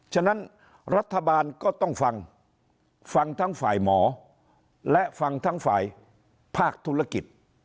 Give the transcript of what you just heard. ฉะนั้นรัฐบาลก็ต้องฟังฟังทั้งฝ่ายหมอและฟังทั้งฝ่ายภาคธุรกิจ